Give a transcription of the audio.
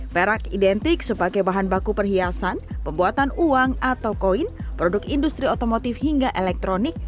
perak identik sebagai bahan baku perhiasan pembuatan uang atau koin produk industri otomotif hingga elektronik